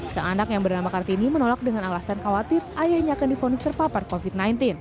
seanak yang bernama kartini menolak dengan alasan khawatir ayahnya akan difonis terpapar covid sembilan belas